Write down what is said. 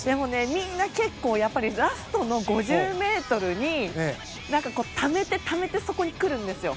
みんなやっぱりラストの５０ｍにためて、ためてそこに来るんですよ。